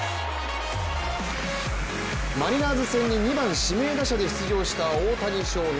マリナーズ戦に２番・指名打者で出場した大谷翔平。